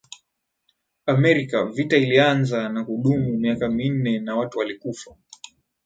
Amerika Vita ilianza na kudumu miaka minne na watu walikufa